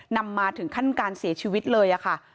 นำมาถึงขั้นการเสียชีวิตเลยค่ะ